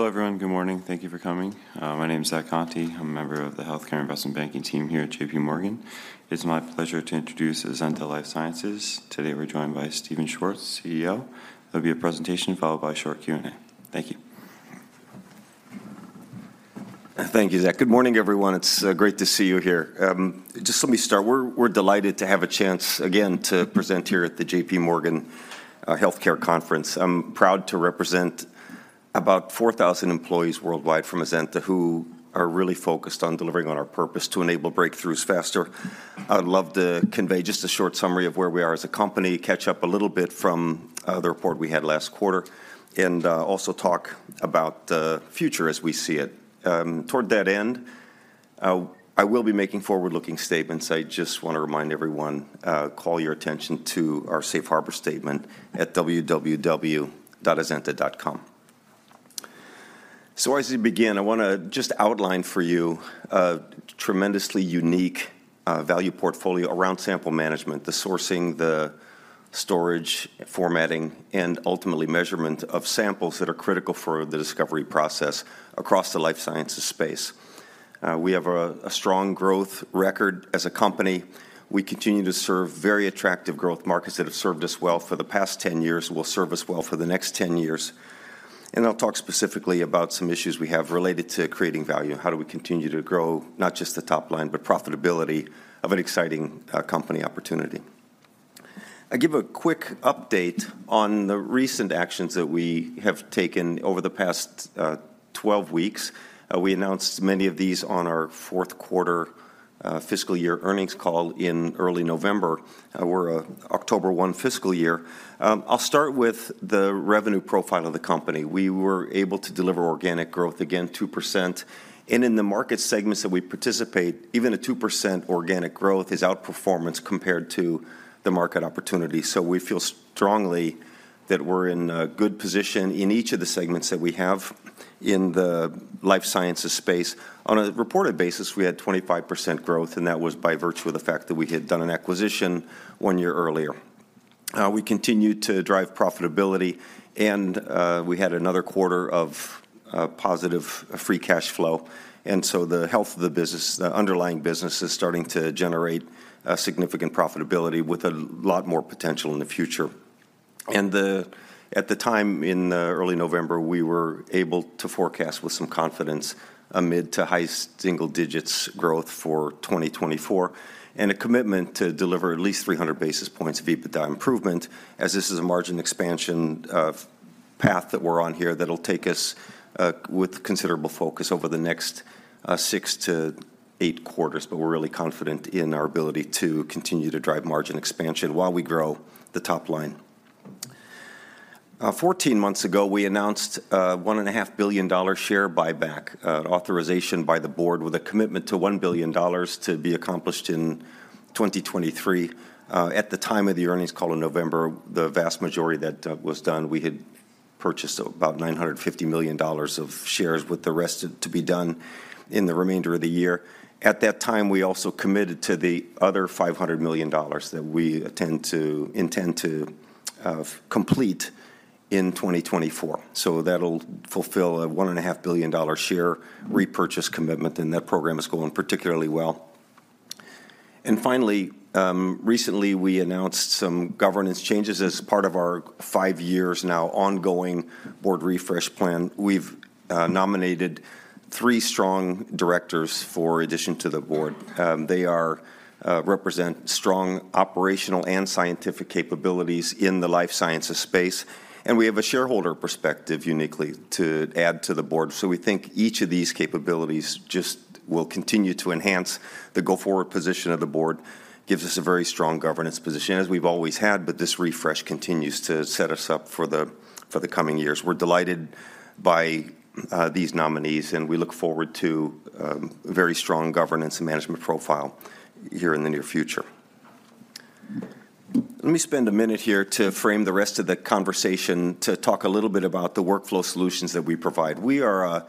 Hello, everyone. Good morning. Thank you for coming. My name is Zach Canter. I'm a member of the Healthcare Investment Banking team here at J.P. Morgan. It's my pleasure to introduce Azenta Life Sciences. Today, we're joined by Stephen Schwartz, CEO. There'll be a presentation followed by a short Q&A. Thank you. Thank you, Zach. Good morning, everyone. It's great to see you here. Just let me start. We're delighted to have a chance again to present here at the J.P. Morgan Healthcare Conference. I'm proud to represent about 4,000 employees worldwide from Azenta, who are really focused on delivering on our purpose to enable breakthroughs faster. I'd love to convey just a short summary of where we are as a company, catch up a little bit from the report we had last quarter, and also talk about the future as we see it. Toward that end, I will be making forward-looking statements. I just want to remind everyone, call your attention to our safe harbor statement at www.azenta.com. As we begin, I wanna just outline for you a tremendously unique value portfolio around sample management, the sourcing, the storage, formatting, and ultimately measurement of samples that are critical for the discovery process across the life sciences space. We have a strong growth record as a company. We continue to serve very attractive growth markets that have served us well for the past 10 years, will serve us well for the next 10 years. I'll talk specifically about some issues we have related to creating value, and how do we continue to grow, not just the top line, but profitability of an exciting company opportunity. I'll give a quick update on the recent actions that we have taken over the past 12 weeks. We announced many of these on our fourth quarter fiscal year earnings call in early November. We're an October 1 fiscal year. I'll start with the revenue profile of the company. We were able to deliver organic growth, again, 2%. And in the market segments that we participate, even a 2% organic growth is outperformance compared to the market opportunity. So we feel strongly that we're in a good position in each of the segments that we have in the life sciences space. On a reported basis, we had 25% growth, and that was by virtue of the fact that we had done an acquisition one year earlier. We continued to drive profitability, and we had another quarter of positive free cash flow. And so the health of the business, the underlying business, is starting to generate a significant profitability with a lot more potential in the future. And the... At the time, in early November, we were able to forecast with some confidence a mid- to high-single-digits growth for 2024, and a commitment to deliver at least 300 basis points of EBITDA improvement, as this is a margin expansion path that we're on here that'll take us with considerable focus over the next six to eight quarters. But we're really confident in our ability to continue to drive margin expansion while we grow the top line. Fourteen months ago, we announced a $1.5 billion share buyback authorization by the board with a commitment to $1 billion to be accomplished in 2023. At the time of the earnings call in November, the vast majority that was done, we had purchased about $950 million of shares, with the rest to be done in the remainder of the year. At that time, we also committed to the other $500 million that we intend to complete in 2024. So that'll fulfill a $1.5 billion share repurchase commitment, and that program is going particularly well. Finally, recently, we announced some governance changes as part of our five years now ongoing board refresh plan. We've nominated three strong directors for addition to the board. They represent strong operational and scientific capabilities in the life sciences space, and we have a shareholder perspective, uniquely, to add to the board. So we think each of these capabilities just will continue to enhance the go-forward position of the board, gives us a very strong governance position, as we've always had, but this refresh continues to set us up for the coming years. We're delighted by these nominees, and we look forward to very strong governance and management profile here in the near future. Let me spend a minute here to frame the rest of the conversation, to talk a little bit about the workflow solutions that we provide. We are an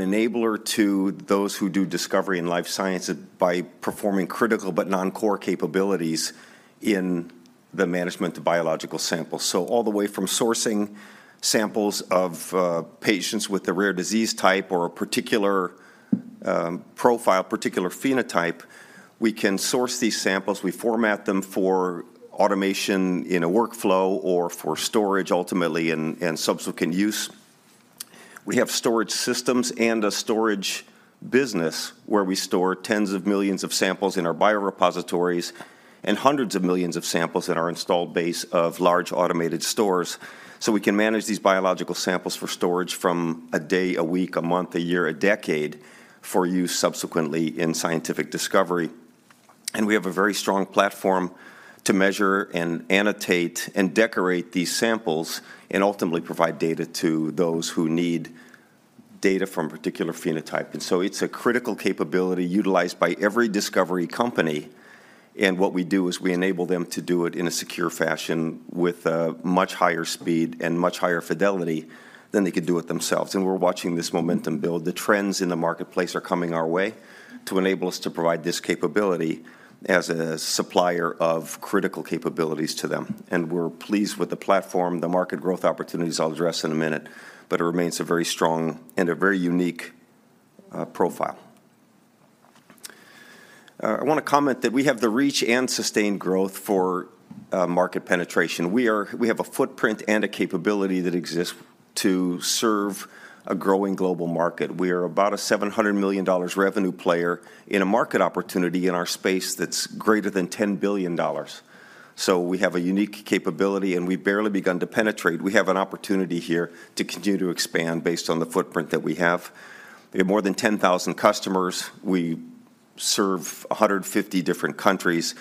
enabler to those who do discovery in life science, by performing critical but non-core capabilities in the management of biological samples. So all the way from sourcing samples of patients with a rare disease type or a particular profile, particular phenotype, we can source these samples. We format them for automation in a workflow or for storage, ultimately, and subsequent use. We have storage systems and a storage business where we store tens of millions of samples in our biorepositories and hundreds of millions of samples in our installed base of large automated stores. So we can manage these biological samples for storage from a day, a week, a month, a year, a decade, for use subsequently in scientific discovery. And we have a very strong platform to measure, and annotate, and decorate these samples, and ultimately provide data to those who need data from a particular phenotype. And so it's a critical capability utilized by every discovery company, and what we do is we enable them to do it in a secure fashion with a much higher speed and much higher fidelity than they could do it themselves. And we're watching this momentum build. The trends in the marketplace are coming our way to enable us to provide this capability as a supplier of critical capabilities to them. We're pleased with the platform. The market growth opportunities I'll address in a minute, but it remains a very strong and a very unique profile. I wanna comment that we have the reach and sustained growth for market penetration. We have a footprint and a capability that exists to serve a growing global market. We are about a $700 million revenue player in a market opportunity in our space that's greater than $10 billion. We have a unique capability, and we've barely begun to penetrate. We have an opportunity here to continue to expand based on the footprint that we have. We have more than 10,000 customers. We serve 150 different countries,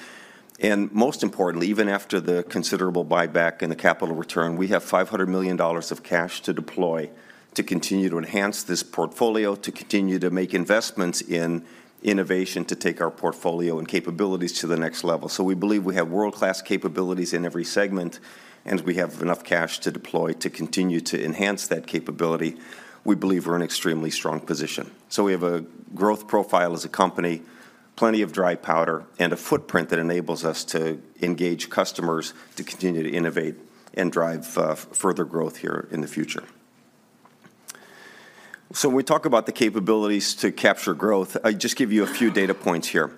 and most importantly, even after the considerable buyback and the capital return, we have $500 million of cash to deploy to continue to enhance this portfolio, to continue to make investments in innovation, to take our portfolio and capabilities to the next level. So we believe we have world-class capabilities in every segment, and we have enough cash to deploy to continue to enhance that capability. We believe we're in extremely strong position. So we have a growth profile as a company, plenty of dry powder, and a footprint that enables us to engage customers to continue to innovate and drive further growth here in the future. So when we talk about the capabilities to capture growth, I'll just give you a few data points here.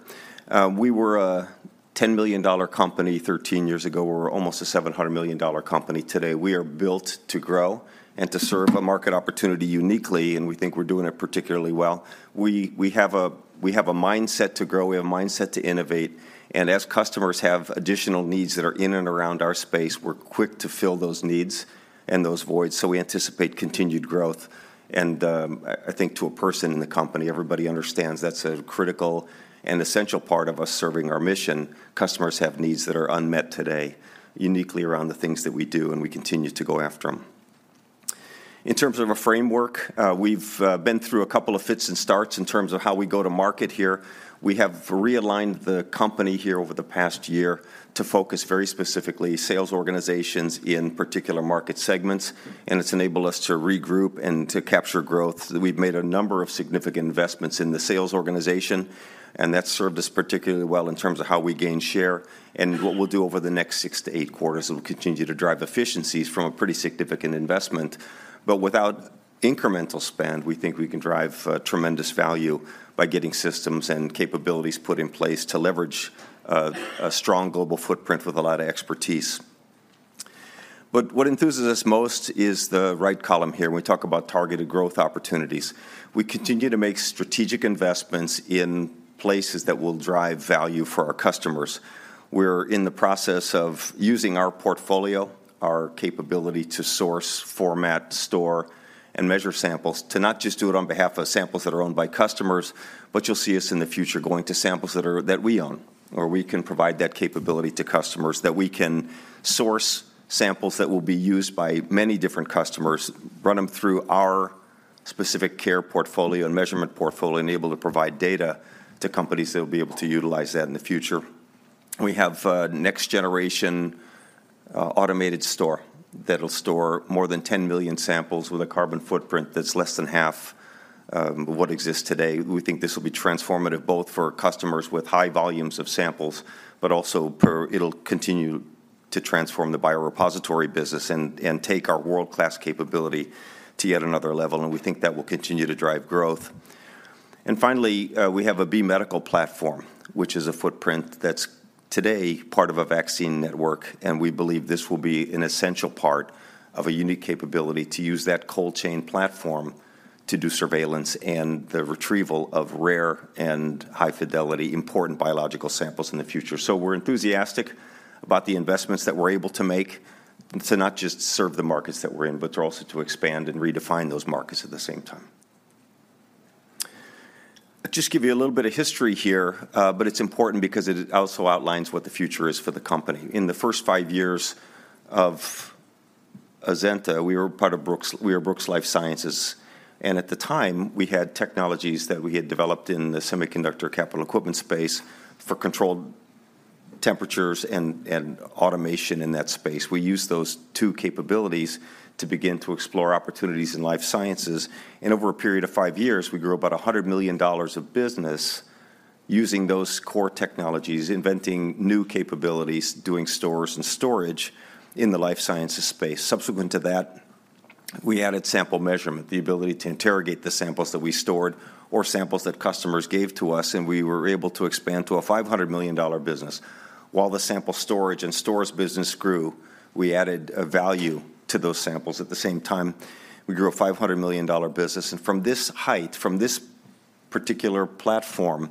We were a $10 million company 13 years ago. We're almost a $700 million company today. We are built to grow and to serve a market opportunity uniquely, and we think we're doing it particularly well. We have a mindset to grow. We have a mindset to innovate, and as customers have additional needs that are in and around our space, we're quick to fill those needs and those voids, so we anticipate continued growth. And I think to a person in the company, everybody understands that's a critical and essential part of us serving our mission. Customers have needs that are unmet today, uniquely around the things that we do, and we continue to go after them. In terms of a framework, we've been through a couple of fits and starts in terms of how we go to market here. We have realigned the company here over the past year to focus very specifically sales organizations in particular market segments, and it's enabled us to regroup and to capture growth. We've made a number of significant investments in the sales organization, and that's served us particularly well in terms of how we gain share. And what we'll do over the next six to eight quarters, is we'll continue to drive efficiencies from a pretty significant investment. But without incremental spend, we think we can drive tremendous value by getting systems and capabilities put in place to leverage a strong global footprint with a lot of expertise. But what enthuses us most is the right column here, when we talk about targeted growth opportunities. We continue to make strategic investments in places that will drive value for our customers. We're in the process of using our portfolio, our capability to source, format, store, and measure samples, to not just do it on behalf of samples that are owned by customers, but you'll see us in the future going to samples that are-- that we own, or we can provide that capability to customers, that we can source samples that will be used by many different customers, run them through our specific care portfolio and measurement portfolio, and be able to provide data to companies that will be able to utilize that in the future. We have next generation automated store that will store more than 10 million samples with a carbon footprint that's less than half what exists today. We think this will be transformative, both for customers with high volumes of samples, but also it'll continue to transform the biorepository business and take our world-class capability to yet another level, and we think that will continue to drive growth. And finally, we have a B Medical platform, which is a footprint that's today part of a vaccine network, and we believe this will be an essential part of a unique capability to use that cold chain platform to do surveillance and the retrieval of rare and high-fidelity, important biological samples in the future. So we're enthusiastic about the investments that we're able to make, and to not just serve the markets that we're in, but to also to expand and redefine those markets at the same time. I'll just give you a little bit of history here, but it's important because it also outlines what the future is for the company. In the first five years of Azenta, we were part of Brooks—we were Brooks Life Sciences, and at the time, we had technologies that we had developed in the semiconductor capital equipment space for controlled temperatures and automation in that space. We used those two capabilities to begin to explore opportunities in life sciences, and over a period of five years, we grew about $100 million of business using those core technologies, inventing new capabilities, doing stores and storage in the life sciences space. Subsequent to that, we added sample measurement, the ability to interrogate the samples that we stored or samples that customers gave to us, and we were able to expand to a $500 million business. While the sample storage and stores business grew, we added a value to those samples. At the same time, we grew a $500 million business, and from this height, from this particular platform,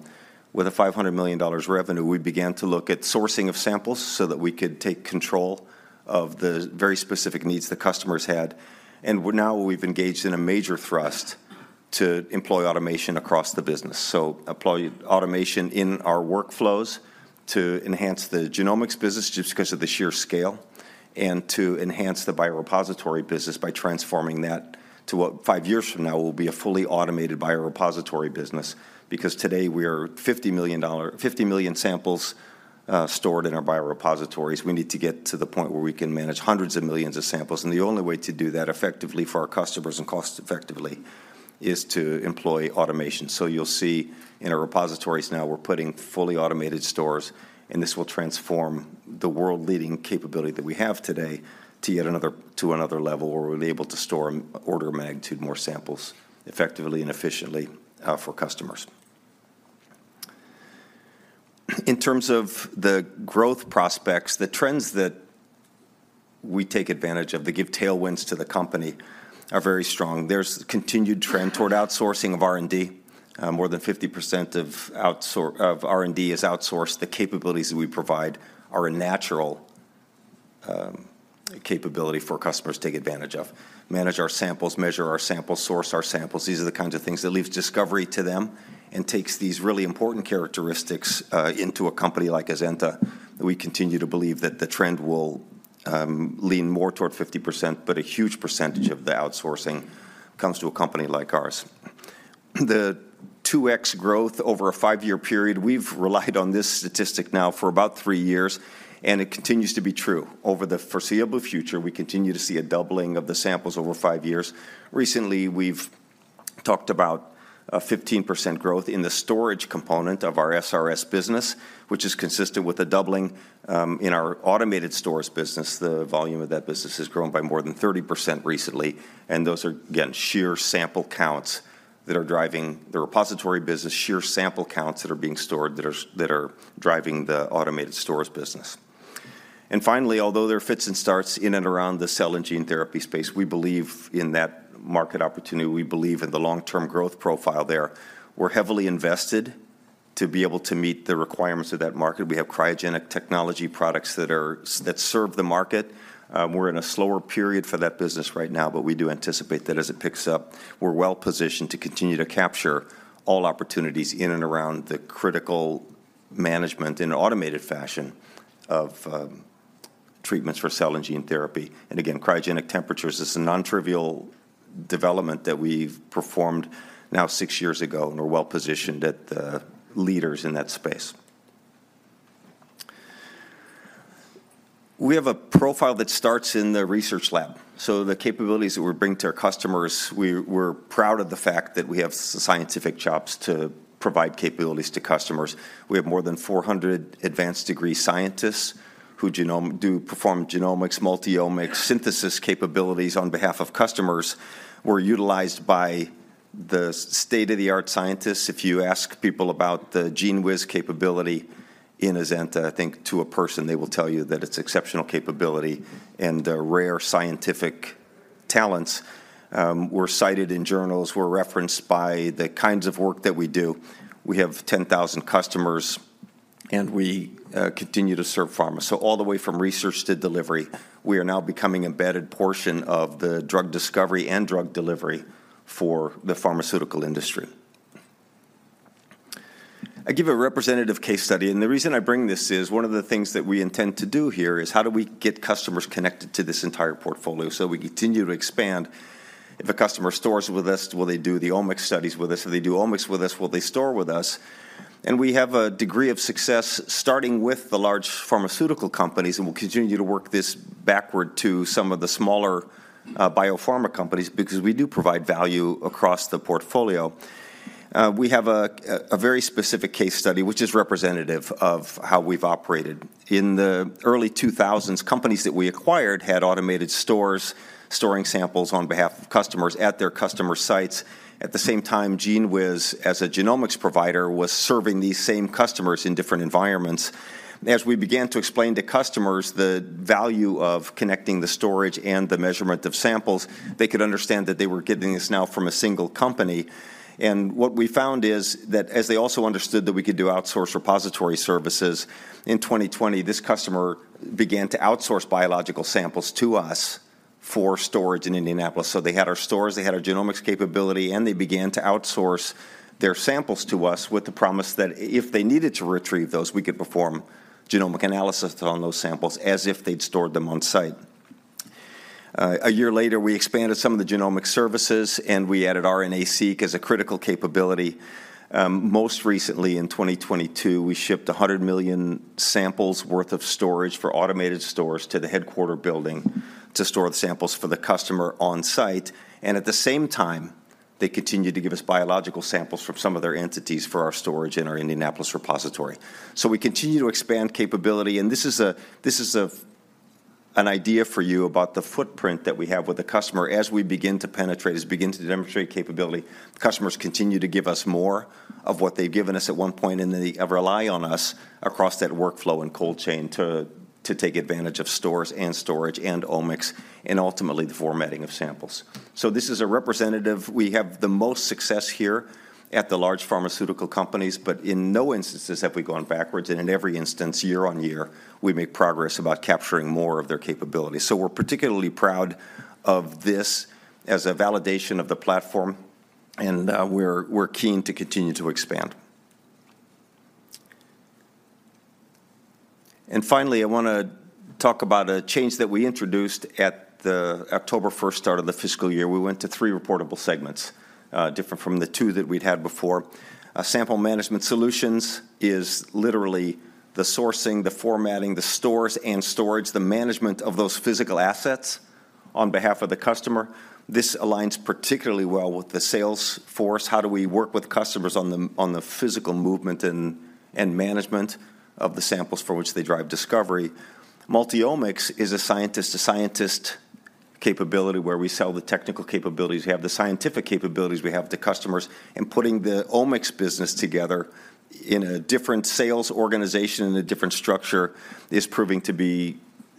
with a $500 million revenue, we began to look at sourcing of samples so that we could take control of the very specific needs the customers had. Now we've engaged in a major thrust to employ automation across the business. So employ automation in our workflows to enhance the genomics business, just because of the sheer scale, and to enhance the biorepository business by transforming that to what, five years from now, will be a fully automated biorepository business. Because today we are 50 million samples stored in our biorepositories. We need to get to the point where we can manage hundreds of millions of samples, and the only way to do that effectively for our customers and cost effectively, is to employ automation. So you'll see in our repositories now, we're putting fully automated stores, and this will transform the world-leading capability that we have today to yet another, to another level where we're able to store an order of magnitude more samples effectively and efficiently for customers. In terms of the growth prospects, the trends that we take advantage of, that give tailwinds to the company, are very strong. There's a continued trend toward outsourcing of R&D. More than 50% of R&D is outsourced. The capabilities that we provide are a natural capability for customers to take advantage of. Manage our samples, measure our samples, source our samples. These are the kinds of things that leaves discovery to them and takes these really important characteristics into a company like Azenta. We continue to believe that the trend will lean more toward 50%, but a huge percentage of the outsourcing comes to a company like ours. The 2x growth over a five-year period, we've relied on this statistic now for about three years, and it continues to be true. Over the foreseeable future, we continue to see a doubling of the samples over five years. Recently, we've talked about a 15% growth in the storage component of our SRS business, which is consistent with the doubling in our automated stores business. The volume of that business has grown by more than 30% recently, and those are, again, sheer sample counts that are driving the repository business, sheer sample counts that are being stored that are driving the automated stores business. And finally, although there are fits and starts in and around the cell and gene therapy space, we believe in that market opportunity. We believe in the long-term growth profile there. We're heavily invested to be able to meet the requirements of that market. We have cryogenic technology products that serve the market. We're in a slower period for that business right now, but we do anticipate that as it picks up, we're well positioned to continue to capture all opportunities in and around the critical management in an automated fashion of treatments for cell and gene therapy. And again, cryogenic temperature is a nontrivial development that we've performed now six years ago, and we're well positioned as the leaders in that space. We have a profile that starts in the research lab, so the capabilities that we bring to our customers, we're proud of the fact that we have scientific chops to provide capabilities to customers. We have more than 400 advanced degree scientists who do perform genomics, multiomics, synthesis capabilities on behalf of customers, who are utilized by the state-of-the-art scientists. If you ask people about the GENEWIZ capability in Azenta, I think to a person, they will tell you that it's exceptional capability and rare scientific talents, we're cited in journals, we're referenced by the kinds of work that we do. We have 10,000 customers, and we continue to serve pharma. So all the way from research to delivery, we are now becoming embedded portion of the drug discovery and drug delivery for the pharmaceutical industry. I give a representative case study, and the reason I bring this is, one of the things that we intend to do here is, how do we get customers connected to this entire portfolio? So we continue to expand. If a customer stores with us, will they do the omics studies with us? If they do omics with us, will they store with us? And we have a degree of success, starting with the large pharmaceutical companies, and we'll continue to work this backward to some of the smaller, biopharma companies because we do provide value across the portfolio. We have a very specific case study, which is representative of how we've operated. In the early 2000s, companies that we acquired had automated stores, storing samples on behalf of customers at their customer sites. At the same time, GENEWIZ, as a genomics provider, was serving these same customers in different environments. As we began to explain to customers the value of connecting the storage and the measurement of samples, they could understand that they were getting this now from a single company. What we found is that as they also understood that we could do outsource repository services, in 2020, this customer began to outsource biological samples to us for storage in Indianapolis. They had our stores, they had our genomics capability, and they began to outsource their samples to us with the promise that if they needed to retrieve those, we could perform genomic analysis on those samples as if they'd stored them on-site. A year later, we expanded some of the genomic services, and we added RNA-seq as a critical capability. Most recently, in 2022, we shipped 100 million samples worth of storage for automated stores to the headquarters building to store the samples for the customer on-site, and at the same time, they continued to give us biological samples from some of their entities for our storage in our Indianapolis repository. So we continue to expand capability, and this is an idea for you about the footprint that we have with the customer. As we begin to penetrate, as we begin to demonstrate capability, customers continue to give us more of what they've given us at one point, and they rely on us across that workflow and cold chain to take advantage of stores and storage and omics, and ultimately, the formatting of samples. So this is a representative. We have the most success here at the large pharmaceutical companies, but in no instances have we gone backwards, and in every instance, year-over-year, we make progress about capturing more of their capabilities. So we're particularly proud of this as a validation of the platform, and we're keen to continue to expand. And finally, I wanna talk about a change that we introduced at the October first start of the fiscal year. We went to three reportable segments, different from the two that we'd had before. Sample Management Solutions is literally the sourcing, the formatting, the stores and storage, the management of those physical assets on behalf of the customer. This aligns particularly well with the sales force. How do we work with customers on the physical movement and management of the samples for which they drive discovery? Multiomics is a scientist-to-scientist capability, where we sell the technical capabilities. We have the scientific capabilities, we have the customers, and putting the omics business together in a different sales organization, in a different structure, is proving to be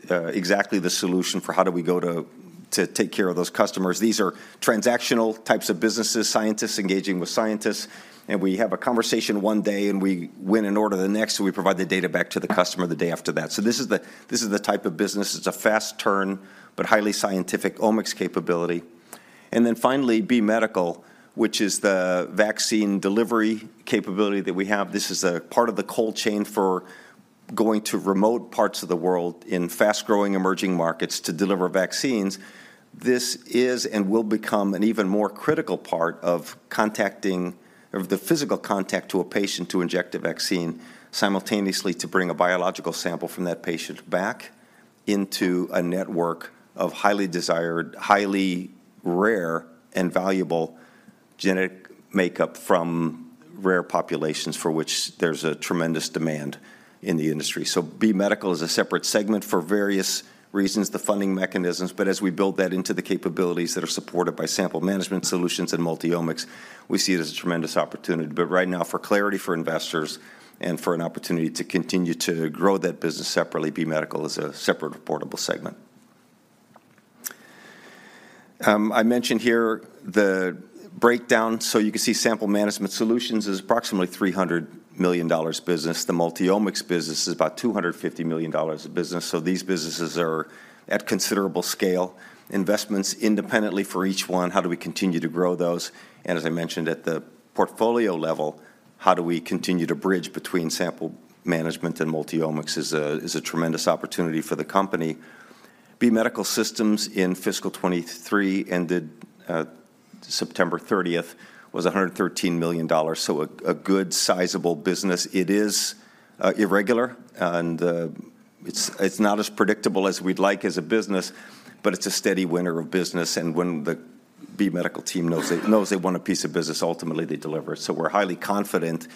exactly the solution for how do we go to take care of those customers. These are transactional types of businesses, scientists engaging with scientists, and we have a conversation one day, and we win an order the next, and we provide the data back to the customer the day after that. So this is the type of business. It's a fast turn, but highly scientific omics capability. And then finally, B Medical, which is the vaccine delivery capability that we have. This is a part of the cold chain for going to remote parts of the world in fast-growing, emerging markets to deliver vaccines. This is and will become an even more critical part of the physical contact to a patient to inject a vaccine, simultaneously to bring a biological sample from that patient back into a network of highly desired, highly rare, and valuable genetic makeup from rare populations for which there's a tremendous demand in the industry. So B Medical is a separate segment for various reasons, the funding mechanisms, but as we build that into the capabilities that are supported by Sample Management Solutions and Multiomics, we see it as a tremendous opportunity. But right now, for clarity for investors and for an opportunity to continue to grow that business separately, B Medical is a separate reportable segment. I mentioned here the breakdown. So you can see Sample Management Solutions is approximately $300 million business. The Multiomics business is about $250 million of business, so these businesses are at considerable scale. Investments independently for each one, how do we continue to grow those? And as I mentioned, at the portfolio level, how do we continue to bridge between Sample Management and Multiomics is a tremendous opportunity for the company. B Medical Systems in fiscal 2023, ended at September 30th, was $113 million, so a good sizable business. It is irregular, and it's not as predictable as we'd like as a business, but it's a steady winner of business, and when the B Medical team knows they want a piece of business, ultimately, they deliver. So we're highly confident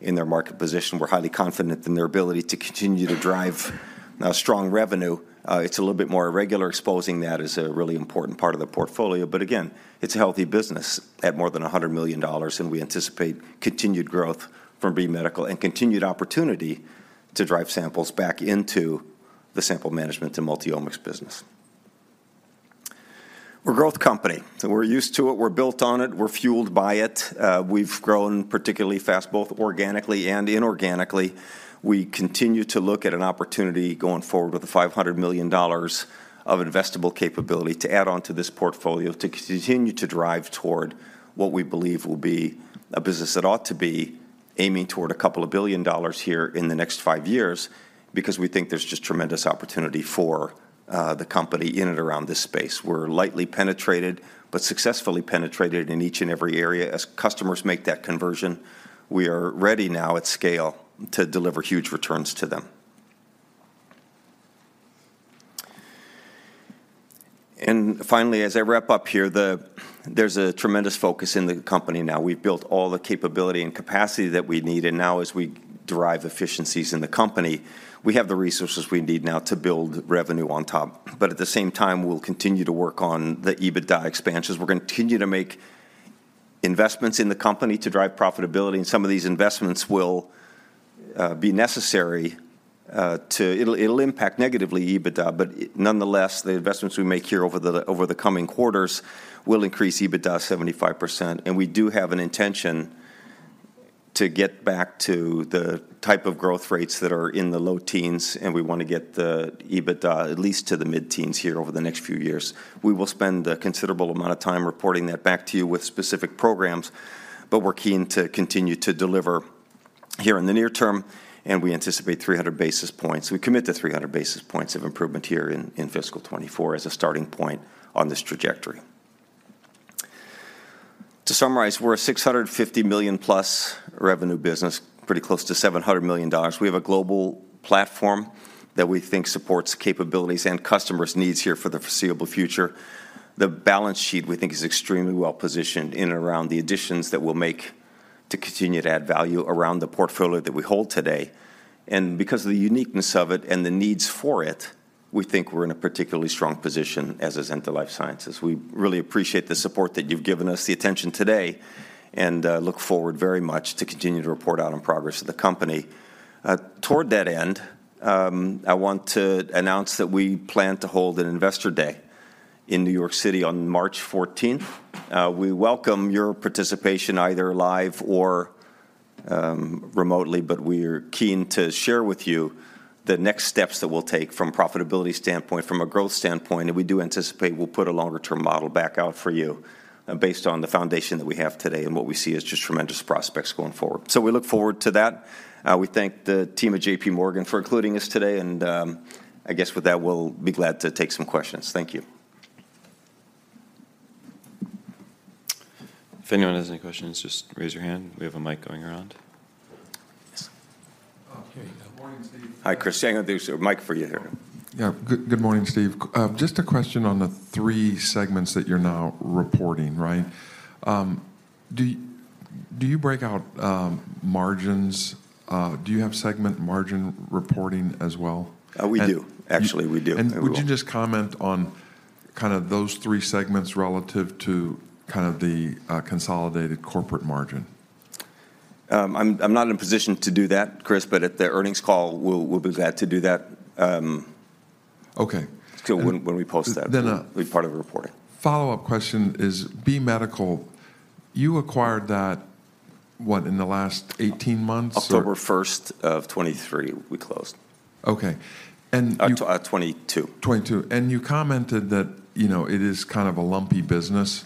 in their market position. We're highly confident in their ability to continue to drive a strong revenue. It's a little bit more irregular. Exposing that is a really important part of the portfolio, but again, it's a healthy business at more than $100 million, and we anticipate continued growth from B Medical and continued opportunity to drive samples back into the Sample Management and Multiomics business. We're a growth company, so we're used to it, we're built on it, we're fueled by it. We've grown particularly fast, both organically and inorganically. We continue to look at an opportunity going forward with the $500 million of investable capability to add on to this portfolio, to continue to drive toward what we believe will be a business that ought to be aiming toward a couple of $2 billion here in the next five years, because we think there's just tremendous opportunity for the company in and around this space. We're lightly penetrated, but successfully penetrated in each and every area. As customers make that conversion, we are ready now at scale to deliver huge returns to them. And finally, as I wrap up here, there's a tremendous focus in the company now. We've built all the capability and capacity that we need, and now as we derive efficiencies in the company, we have the resources we need now to build revenue on top. But at the same time, we'll continue to work on the EBITDA expansions. We're going to continue to make investments in the company to drive profitability, and some of these investments will be necessary to-- it'll impact negatively EBITDA, but nonetheless, the investments we make here over the coming quarters will increase EBITDA 75%, and we do have an intention to get back to the type of growth rates that are in the low teens, and we want to get the EBITDA at least to the mid-teens here over the next few years. We will spend a considerable amount of time reporting that back to you with specific programs, but we're keen to continue to deliver here in the near term, and we anticipate 300 basis points. We commit to 300 basis points of improvement here in fiscal 2024 as a starting point on this trajectory. To summarize, we're a $650+ million revenue business, pretty close to $700 million. We have a global platform that we think supports capabilities and customers' needs here for the foreseeable future. The balance sheet, we think, is extremely well-positioned in and around the additions that we'll make to continue to add value around the portfolio that we hold today. And because of the uniqueness of it and the needs for it, we think we're in a particularly strong position as Azenta Life Sciences. We really appreciate the support that you've given us, the attention today, and look forward very much to continue to report out on progress of the company. Toward that end, I want to announce that we plan to hold an Investor Day in New York City on March fourteenth. We welcome your participation, either live or remotely, but we are keen to share with you the next steps that we'll take from a profitability standpoint, from a growth standpoint, and we do anticipate we'll put a longer-term model back out for you, based on the foundation that we have today and what we see as just tremendous prospects going forward. So we look forward to that. We thank the team at J.P. Morgan for including us today, and I guess with that, we'll be glad to take some questions. Thank you. ... If anyone has any questions, just raise your hand. We have a mic going around. Yes. Okay, good morning, Steve. Hi, Chris Sangaduce. Mic for you here. Yeah. Good morning, Steve. Just a question on the three segments that you're now reporting, right? Do you break out margins? Do you have segment margin reporting as well? We do. And- Actually, we do. Would you just comment on kind of those three segments relative to kind of the consolidated corporate margin? I'm not in a position to do that, Chris, but at the earnings call, we'll be glad to do that. Okay... still when we post that- Then, uh- Be part of the reporting. Follow-up question is, B Medical, you acquired that, what, in the last 18 months or? October 1st of 2023, we closed. Okay. And you- 2022. 2022. You commented that, you know, it is kind of a lumpy business.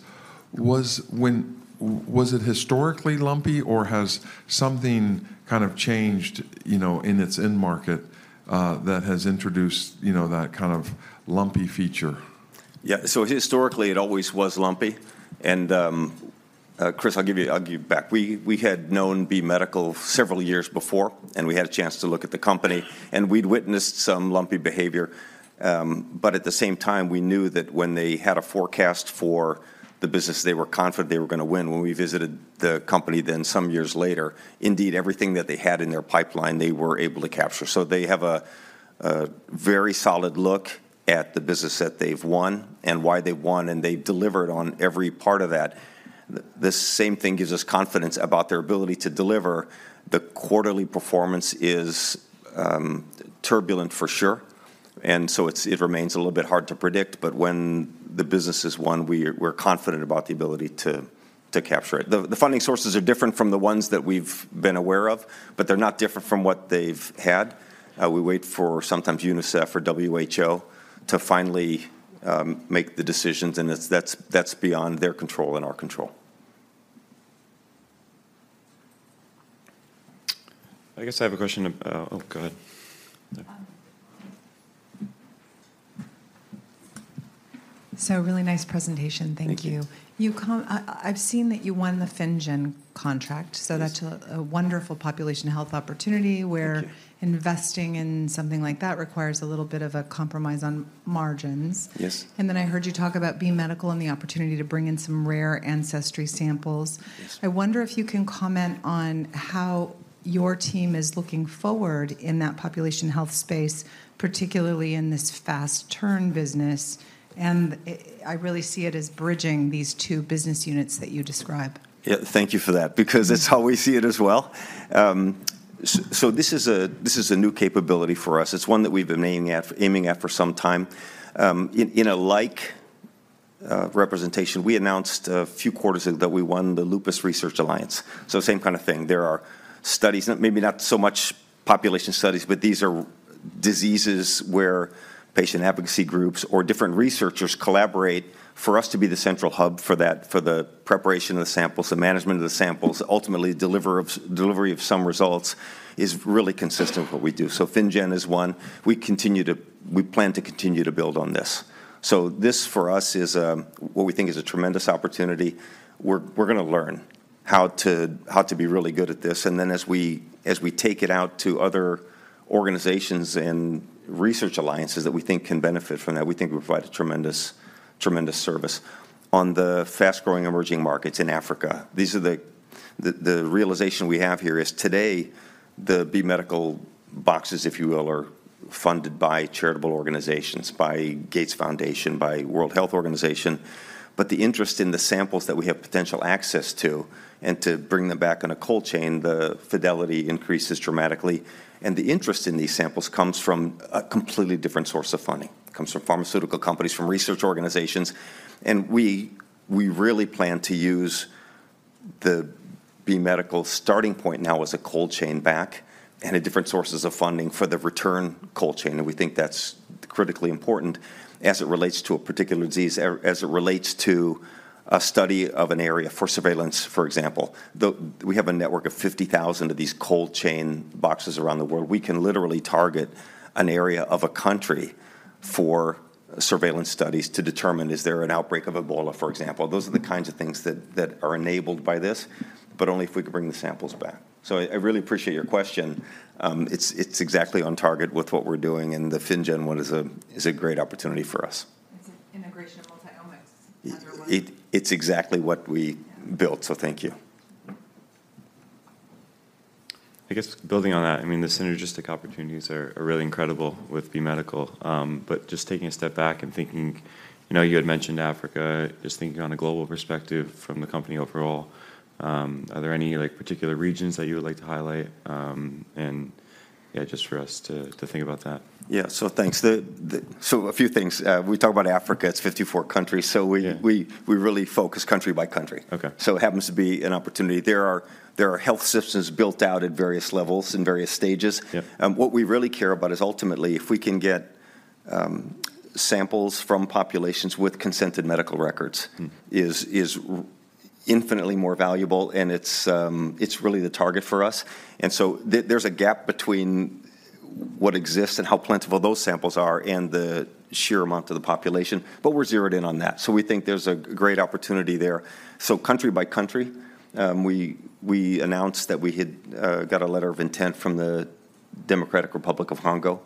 Was it historically lumpy, or has something kind of changed, you know, in its end market, that has introduced, you know, that kind of lumpy feature? Yeah. So historically, it always was lumpy, and, Chris, I'll give you- I'll give back. We had known B Medical several years before, and we had a chance to look at the company, and we'd witnessed some lumpy behavior. But at the same time, we knew that when they had a forecast for the business, they were confident they were gonna win. When we visited the company then some years later, indeed, everything that they had in their pipeline, they were able to capture. So they have a very solid look at the business that they've won and why they won, and they delivered on every part of that. This same thing gives us confidence about their ability to deliver. The quarterly performance is turbulent, for sure, and so it remains a little bit hard to predict, but when the business is won, we're confident about the ability to capture it. The funding sources are different from the ones that we've been aware of, but they're not different from what they've had. We wait for sometimes UNICEF or WHO to finally make the decisions, and that's beyond their control and our control. I guess I have a question about... Oh, go ahead. So really nice presentation. Thank you. Thank you. I've seen that you won the FinnGen contract. Yes... so that's a wonderful population health opportunity- Thank you... where investing in something like that requires a little bit of a compromise on margins. Yes. And then I heard you talk about B Medical and the opportunity to bring in some rare ancestry samples. Yes. I wonder if you can comment on how your team is looking forward in that population health space, particularly in this fast turn business, and I really see it as bridging these two business units that you describe. Yeah, thank you for that because that's how we see it as well. So this is a, this is a new capability for us. It's one that we've been aiming at, aiming at for some time. In a like representation, we announced a few quarters ago that we won the Lupus Research Alliance, so same kind of thing. There are studies, maybe not so much population studies, but these are diseases where patient advocacy groups or different researchers collaborate for us to be the central hub for that, for the preparation of the samples, the management of the samples, ultimately, delivery of some results, is really consistent with what we do. So FinnGen is one. We plan to continue to build on this. So this, for us, is what we think is a tremendous opportunity. We're gonna learn how to be really good at this, and then as we take it out to other organizations and research alliances that we think can benefit from that, we think we provide a tremendous service. On the fast-growing emerging markets in Africa, these are the... The realization we have here is today, the B Medical boxes, if you will, are funded by charitable organizations, by Gates Foundation, by World Health Organization, but the interest in the samples that we have potential access to, and to bring them back on a cold chain, the fidelity increases dramatically. And the interest in these samples comes from a completely different source of funding. It comes from pharmaceutical companies, from research organizations, and we really plan to use the B Medical starting point now as a cold chain back and the different sources of funding for the return cold chain, and we think that's critically important as it relates to a particular disease, as it relates to a study of an area for surveillance, for example. We have a network of 50,000 of these cold chain boxes around the world. We can literally target an area of a country for surveillance studies to determine, is there an outbreak of Ebola, for example? Those are the kinds of things that are enabled by this, but only if we can bring the samples back. So I really appreciate your question. It's exactly on target with what we're doing, and the FinnGen one is a great opportunity for us. It's an integration of multi-omics under one- It's exactly what we- Yeah... built, so thank you. I guess building on that, I mean, the synergistic opportunities are, are really incredible with B Medical. But just taking a step back and thinking, you know, you had mentioned Africa, just thinking on a global perspective from the company overall, are there any, like, particular regions that you would like to highlight? And yeah, just for us to, to think about that. Yeah. So thanks. So a few things. We talk about Africa, it's 54 countries- Yeah... so we really focus country by country. Okay. It happens to be an opportunity. There are, there are health systems built out at various levels and various stages. Yeah. What we really care about is ultimately, if we can get, samples from populations with consented medical records- Mm... is really infinitely more valuable, and it's, it's really the target for us. And so there, there's a gap between what exists and how plentiful those samples are, and the sheer amount of the population, but we're zeroed in on that. So we think there's a great opportunity there. So country by country, we announced that we had got a letter of intent from the Democratic Republic of Congo,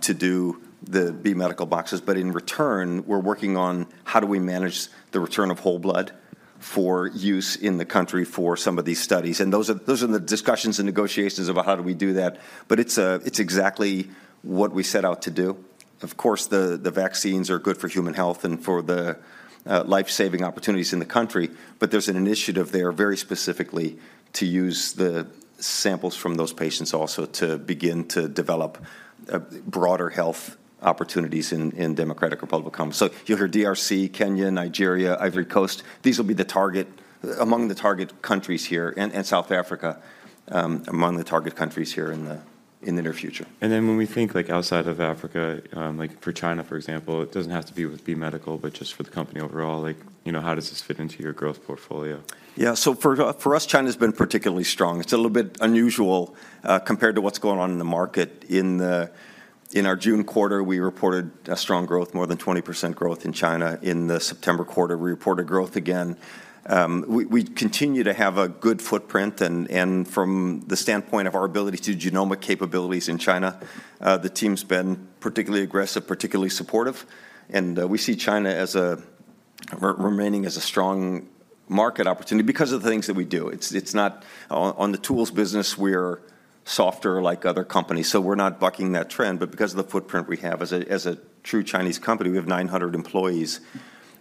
to do the B Medical boxes. But in return, we're working on how do we manage the return of whole blood for use in the country for some of these studies? And those are in the discussions and negotiations about how do we do that, but it's, it's exactly what we set out to do. Of course, the vaccines are good for human health and for the life-saving opportunities in the country, but there's an initiative there very specifically to use the samples from those patients also to begin to develop a broader health opportunities in Democratic Republic of Congo. So you'll hear DRC, Kenya, Nigeria, Ivory Coast; these will be the target... among the target countries here, and South Africa, among the target countries here in the near future. And then when we think, like, outside of Africa, like for China, for example, it doesn't have to be with B Medical, but just for the company overall, like, you know, how does this fit into your growth portfolio? Yeah, so for us, China's been particularly strong. It's a little bit unusual compared to what's going on in the market. In our June quarter, we reported a strong growth, more than 20% growth in China. In the September quarter, we reported growth again. We continue to have a good footprint, and from the standpoint of our ability to genomic capabilities in China, the team's been particularly aggressive, particularly supportive, and we see China as a remaining as a strong market opportunity because of the things that we do. It's not... On the tools business, we're softer like other companies, so we're not bucking that trend, but because of the footprint we have. As a true Chinese company, we have 900 employees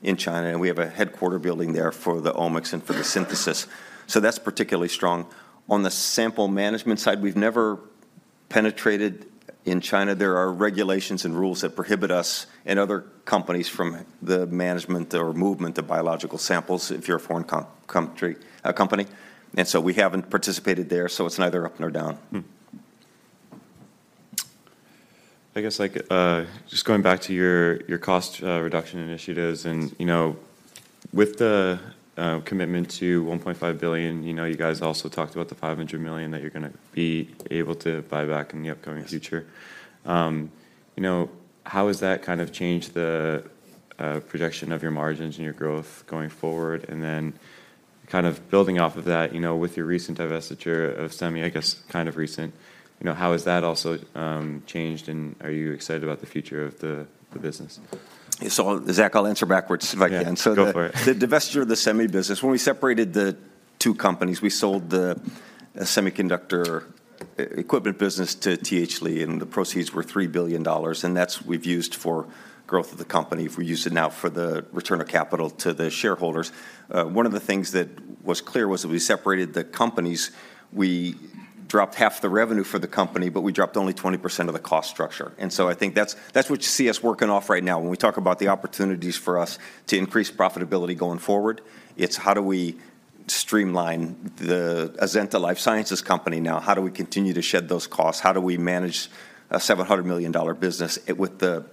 in China, and we have a headquarters building there for the omics and for the synthesis. So that's particularly strong. On the sample management side, we've never penetrated in China. There are regulations and rules that prohibit us and other companies from the management or movement of biological samples if you're a foreign company, and so we haven't participated there, so it's neither up nor down. Hmm. I guess, like, just going back to your, your cost reduction initiatives, and, you know, with the commitment to $1.5 billion, you know, you guys also talked about the $500 million that you're gonna be able to buy back in the upcoming future. Yes. You know, how has that kind of changed the projection of your margins and your growth going forward? And then kind of building off of that, you know, with your recent divestiture of semi, I guess, kind of recent, you know, how has that also changed, and are you excited about the future of the business? So, Zach, I'll answer backwards if I can. Yeah. Go for it. So the divestiture of the semi business, when we separated the two companies, we sold the semiconductor equipment business to TH Lee, and the proceeds were $3 billion, and that's what we've used for growth of the company. We use it now for the return of capital to the shareholders. One of the things that was clear was that we separated the companies. We dropped half the revenue for the company, but we dropped only 20% of the cost structure, and so I think that's what you see us working off right now. When we talk about the opportunities for us to increase profitability going forward, it's how do we streamline the Azenta Life Sciences company now? How do we continue to shed those costs? How do we manage a $700 million business with the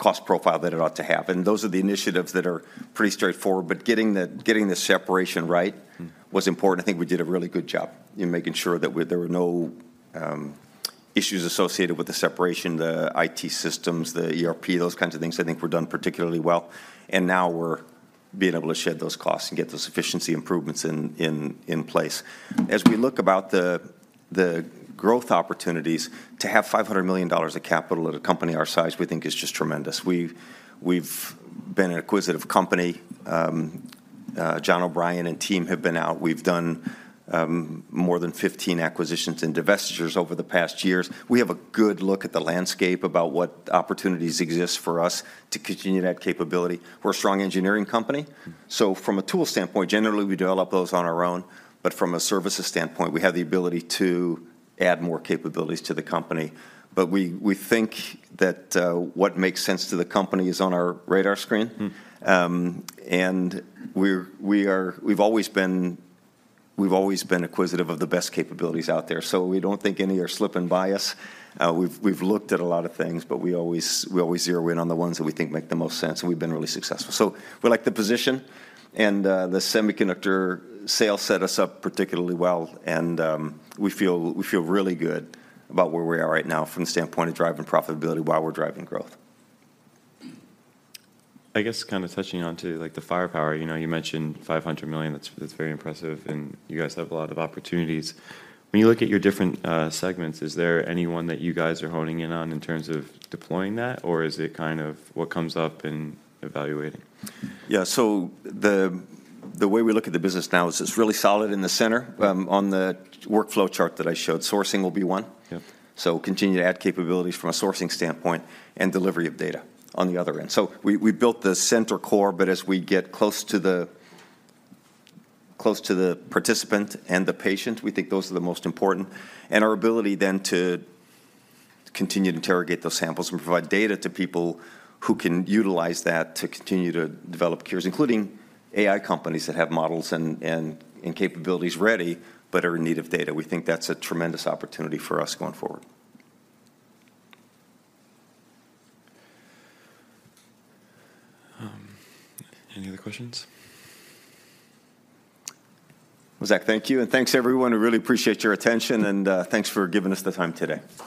cost profile that it ought to have? Those are the initiatives that are pretty straightforward, but getting the separation right- Mm... was important. I think we did a really good job in making sure that there were no issues associated with the separation, the IT systems, the ERP, those kinds of things I think were done particularly well, and now we're being able to shed those costs and get those efficiency improvements in place. As we look about the growth opportunities, to have $500 million of capital at a company our size, we think is just tremendous. We've been an acquisitive company. John O'Brien and team have been out. We've done more than 15 acquisitions and divestitures over the past years. We have a good look at the landscape about what opportunities exist for us to continue that capability. We're a strong engineering company. Mm. So from a tool standpoint, generally, we develop those on our own, but from a services standpoint, we have the ability to add more capabilities to the company. But we think that what makes sense to the company is on our radar screen. Mm. And we've always been acquisitive of the best capabilities out there, so we don't think any are slipping by us. We've looked at a lot of things, but we always zero in on the ones that we think make the most sense, and we've been really successful. So we like the position, and the semiconductor sale set us up particularly well, and we feel really good about where we are right now from the standpoint of driving profitability while we're driving growth. I guess kind of touching on to, like, the firepower, you know, you mentioned $500 million. That's, that's very impressive, and you guys have a lot of opportunities. When you look at your different segments, is there any one that you guys are honing in on in terms of deploying that, or is it kind of what comes up in evaluating? Yeah. So the way we look at the business now is it's really solid in the center. On the workflow chart that I showed, sourcing will be one. Yep. So continue to add capabilities from a sourcing standpoint and delivery of data on the other end. We built the center core, but as we get close to the participant and the patient, we think those are the most important. And our ability then to continue to interrogate those samples and provide data to people who can utilize that to continue to develop cures, including AI companies that have models and capabilities ready but are in need of data. We think that's a tremendous opportunity for us going forward. Any other questions? Well, Zach, thank you, and thanks, everyone. I really appreciate your attention, and thanks for giving us the time today.